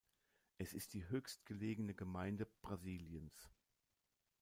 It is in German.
Es ist die höchstgelegene Gemeinde Brasiliens.